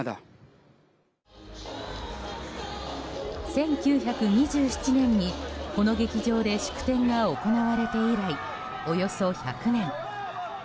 １９２７年に、この劇場で祝典が行われて以来およそ１００年。